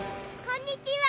こんにちは。